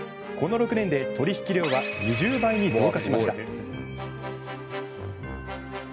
この６年で、取り引き量は２０倍に増加しました。